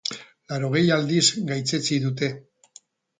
Laurogei aldiz gaitzetsi dute.